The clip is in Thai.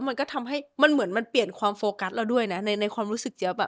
มันก็ทำให้มันเหมือนมันเปลี่ยนความโฟกัสเราด้วยนะในความรู้สึกเจี๊ยบอ่ะ